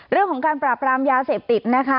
เรื่องของการปราบรามยาเสพติดนะคะ